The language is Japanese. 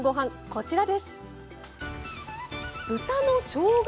こちらです。